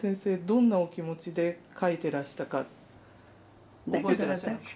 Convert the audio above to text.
どんなお気持ちで描いてらしたか覚えてらっしゃいます？